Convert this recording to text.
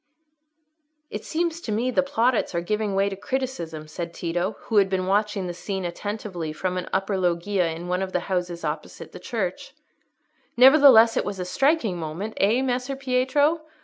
"It seems to me the plaudits are giving way to criticism," said Tito, who had been watching the scene attentively from an upper loggia in one of the houses opposite the church. "Nevertheless it was a striking moment, eh, Messer Pietro?